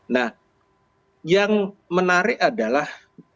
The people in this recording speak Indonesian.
nah yang menarik adalah